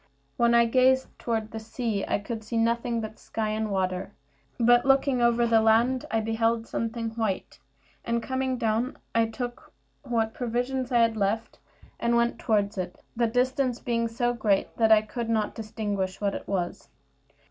When I gazed toward the sea I could see nothing but sky and water; but looking over the land I beheld something white; and coming down, I took what provision I had left, and went toward it, the distance being so great that I could not distinguish what it was.